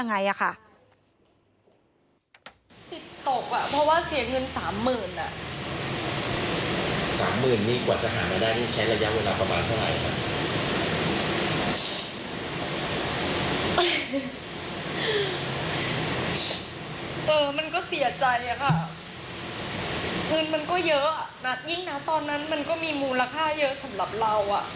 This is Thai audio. เงินมันก็เยอะอะนะยิ่งนะตอนนั้นมันก็มีมูลค่าเยอะสำหรับเราอะ